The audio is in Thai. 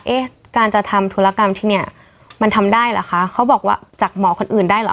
เอ๊ะการจะทำธุรกรรมที่เนี่ยมันทำได้เหรอคะเขาบอกว่าจากหมอคนอื่นได้เหรอ